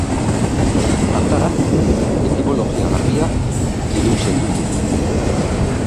Hartara, etimologia garbia iluntzen dute.